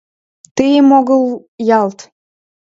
Тыйым огыл ялт